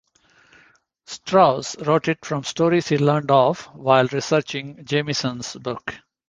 Strauss wrote it from stories he learned of while researching Jameson's book.